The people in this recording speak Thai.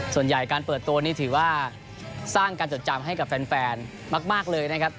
ส่วนใหญ่การเปิดตัวนี้ถือว่าสร้างการจดจำให้กับแฟนมากเลยนะครับ